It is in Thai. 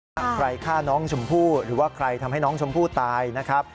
ใครฆ่าน้องชมพู่หรือว่าใครทำให้น้องชมพู่ตายนะครับ